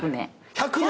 １００年！